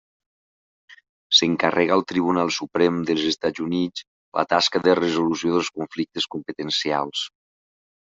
S'encarrega al Tribunal Suprem dels Estats Units la tasca de resolució dels conflictes competencials.